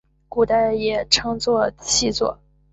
古代亦称作细作。